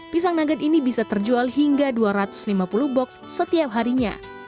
pisang nugget ini bisa terjual hingga dua ratus lima puluh box setiap harinya